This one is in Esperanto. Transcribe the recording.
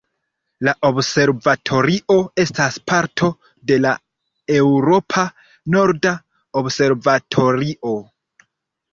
La Observatorio estas parto de la Eŭropa norda observatorio.